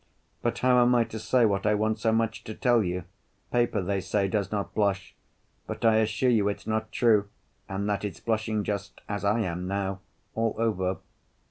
But how am I to say what I want so much to tell you? Paper, they say, does not blush, but I assure you it's not true and that it's blushing just as I am now, all over.